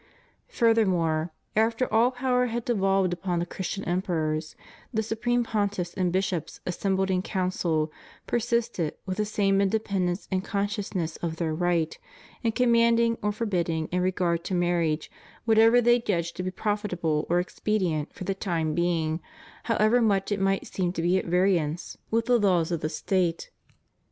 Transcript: Furthermore, after all power had devolved upon the Christian emperors, the supreme Pontiffs and Bishops assembled in Council persisted, with the same independence and consciousness of their right, in conmianding or for bidding in regard to marriage whatever they judged to be profitable or expedient for the time being, however much it might seem to be at variance with the laws of the 70 CHRISTIAN MARRIAGE. State.